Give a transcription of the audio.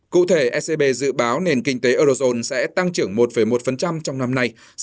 cụ thể ecb dự báo nền kinh tế eurozone sẽ tăng trưởng một một trong năm nay